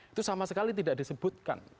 itu sama sekali tidak disebutkan